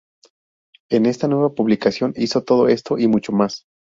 En esta nueva publicación, hizo todo esto y mucho más.